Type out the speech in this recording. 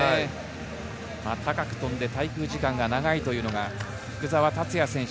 高く跳んで滞空時間が長いのが福澤達哉選手。